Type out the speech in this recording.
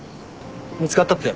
見つかったって？